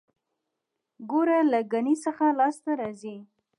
ګوړه له ګني څخه لاسته راځي